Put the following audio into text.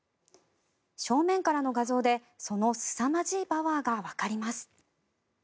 正面からの画像でそのすさまじいパワーがわかります。